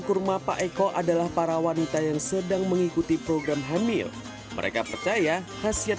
kurma pak eko adalah para wanita yang sedang mengikuti program hamil mereka percaya khasiat